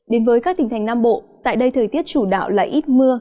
đến với các tỉnh thành nam bộ tại đây thời tiết chủ đạo là ít mưa